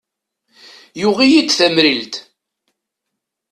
Yuɣ-iyi-d tamrilt.